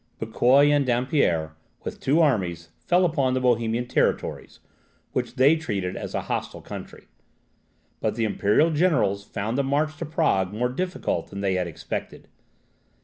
Bucquoi and Dampierre, with two armies, fell upon the Bohemian territories, which they treated as a hostile country. But the imperial generals found the march to Prague more difficult than they had expected.